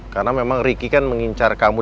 karena memang ricky kan mengincarin aku ya